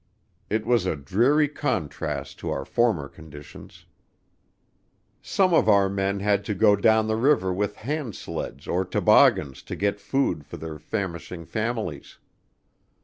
It was a dreary contrast to our former conditions. Some of our men had to go down the river with hand sleds or toboggans to get food for their famishing families.